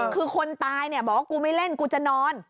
คือคนตายบอกว่ากูไม่เล่นกูจะนอน